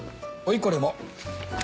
はいこれも。